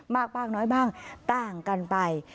มากบ้างน้อยบ้างต่างกันไป